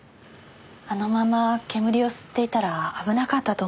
あのまま煙を吸っていたら危なかったと思います。